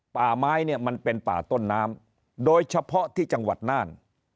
ป่าไม้เนี่ยมันเป็นป่าต้นน้ำโดยเฉพาะที่จังหวัดน่าน